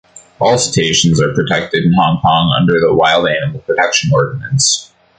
All cetaceans are protected in Hong Kong under the Wild Animals Protection Ordinance.